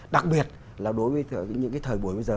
đặc biệt là đối với những cái thời buổi bây giờ